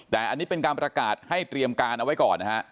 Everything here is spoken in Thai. แต่อันนี้เป็นการประกาศให้เตรียมการเอาไว้ก่อนนะฮะ